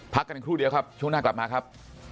พักกันครู่เดียวครับช่วงหน้ากลับมาครับ